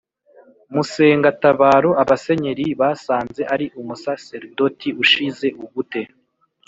Musengatabaro Abasenyeri basanze ari umusaserdoti ushize ubute